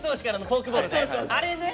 あれね！